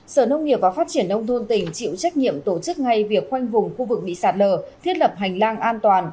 sở nông nghiệp và phát triển nông thôn tỉnh chịu trách nhiệm tổ chức ngay việc khoanh vùng khu vực bị sạt lở thiết lập hành lang an toàn